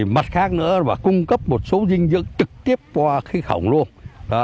mặt khác nữa là cung cấp một số dinh dưỡng trực tiếp qua khí khổng luôn